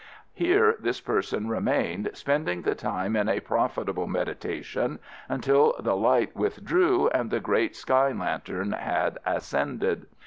Here this person remained, spending the time in a profitable meditation, until the light withdrew and the great sky lantern had ascended.